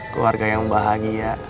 keluarga yang bahagia